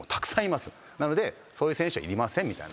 「なのでそういう選手はいりません」みたいな。